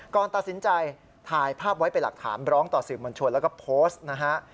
ก่อนตัดสินใจถ่ายภาพไว้เป็นหลักฐานร้องต่อสื่อมวลชนแล้วก็โพสต์นะฮะ